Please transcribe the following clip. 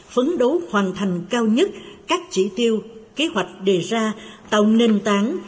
phấn đấu hoàn thành cao nhất các chỉ tiêu kế hoạch đề ra tạo nền tảng